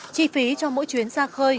chi phí cho mỗi chuyến ra khơi